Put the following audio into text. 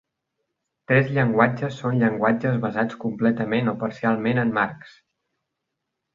Tres llenguatges són llenguatges basats completament o parcialment en marcs.